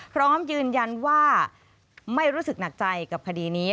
พร้อมยืนยันว่าไม่รู้สึกหนักใจกับคดีนี้